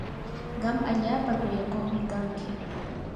qam allaapa kuyakuqmi kanki.